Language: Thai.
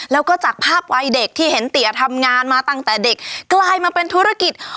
แล้วก็จากภาพวัยเด็กที่เห็นเตี๋ยทำงานมาตั้งแต่เด็กกลายมาเป็นธุรกิจ